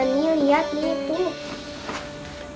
nih lihat nih pung